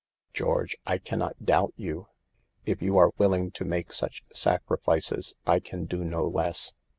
" George, I can not doubt you. If you are willing to make such sacrifices I can do no less.